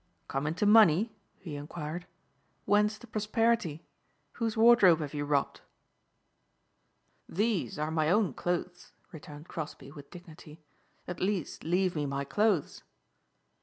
"Come into money?" he enquired. "Whence the prosperity? Whose wardrobe have you robbed?" "These are my own clothes," returned Crosbeigh with dignity, "at least leave me my clothes."